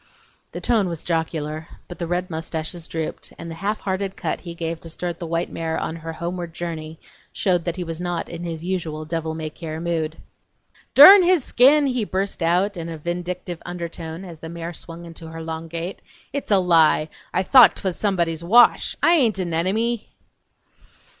The tone was jocular, but the red mustaches drooped, and the half hearted cut he gave to start the white mare on her homeward journey showed that he was not in his usual devil may care mood. "Durn his skin!" he burst out in a vindictive undertone, as the mare swung into her long gait. "It's a lie! I thought twas somebody's wash! I hain't an enemy!"